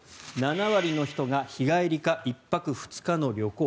７割の人が日帰りか１泊２日の旅行。